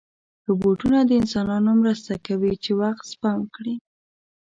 روبوټونه د انسانانو مرسته کوي چې وخت سپم کړي.